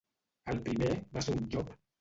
El primer va ser un llop?